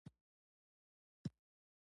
فقره مطلب انتقالوي.